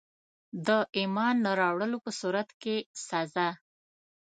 د ایمان نه راوړلو په صورت کي سزا.